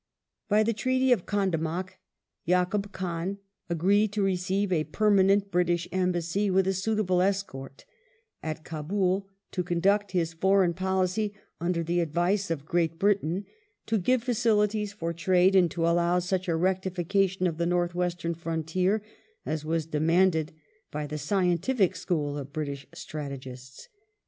By the Treaty of Gandamak Yakub Khan agreed to receive a Treaty of permanent British Embassy, with a suitable escort, at Kabul ; to J j^ ^ conduct his foreign policy under the advice of Great Britain; to 26th, give facilities for trade, and to allow such a rectification of the ^^^ North Western frontier as was demanded by the scientific school of British strategists.